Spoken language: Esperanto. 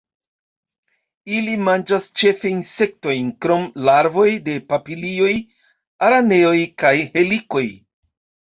Ili manĝas ĉefe insektojn krom larvoj de papilioj, araneoj kaj helikoj.